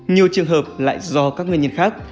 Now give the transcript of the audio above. nhiều trường hợp lại do các nguyên nhân khác